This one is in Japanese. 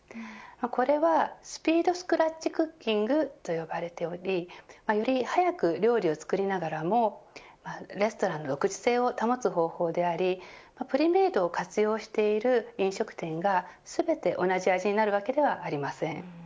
これはスピードスクラッチクッキングと呼ばれているおりより速く料理を作りながらもレストランの独自性を保つ方法でありプリメイドを活用している飲食店が全て同じ味になるわけではありません。